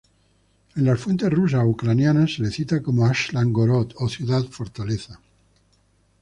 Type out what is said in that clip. En las fuentes rusas o ucranianas se la cita como "Aslan-Gorod" o "ciudad fortaleza".